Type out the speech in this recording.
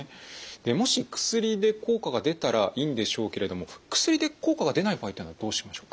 もし薬で効果が出たらいいんでしょうけれども薬で効果が出ない場合っていうのはどうしましょう？